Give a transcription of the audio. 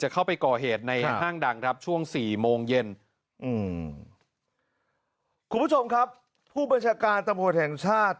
คุณผู้ชมครับผู้บัญชาการตำรวจแห่งชาติ